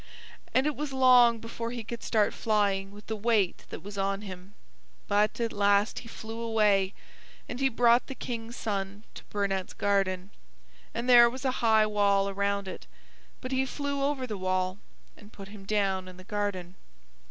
And it was long before he could start flying with the weight that was on him; but at last he flew away, and he brought the King's son to Burnett's garden, and there was a high wall around it, but he flew over the wall, and put him down in the garden.